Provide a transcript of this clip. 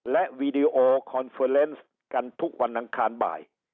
และวีดีโอคอนเฟอร์เนส์กันทุกวันอังคารบ่าย